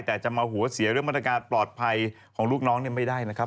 แต่จะมาหัวเสียเรื่องมาตรการปลอดภัยของลูกน้องไม่ได้นะครับ